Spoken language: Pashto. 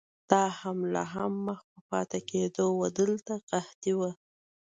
دا حمله هم مخ په پاتې کېدو وه، دلته قحطي وه.